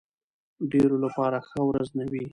ډېرو لپاره ښه ورځ نه وي.